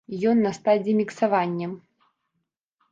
Ён на стадыі міксавання.